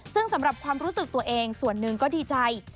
ซึ่งสำหรับความรู้สึกตัวเองส่วนหนึ่งก็ดีใจ